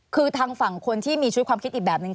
คือทางฝั่งคนที่มีชีวิตความคิดอีกแบบนึง